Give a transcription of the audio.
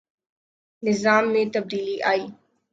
نظام میں تبدیلی آئے۔